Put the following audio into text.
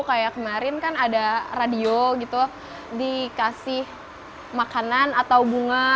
kayak kemarin kan ada radio gitu dikasih makanan atau bunga